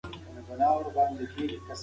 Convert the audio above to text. تاسي باید د سیمې خلکو ته ډالۍ ورکړئ.